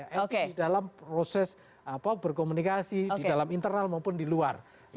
elit di dalam proses berkomunikasi di dalam internal maupun di luar